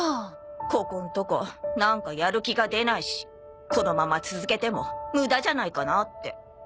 ここんとこなんかやる気が出ないしこのまま続けても無駄じゃないかなって。